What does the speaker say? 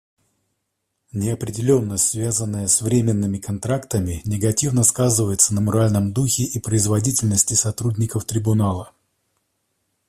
Неопределенность, связанная с временными контрактами, негативно сказывается на моральном духе и производительности сотрудников Трибунала.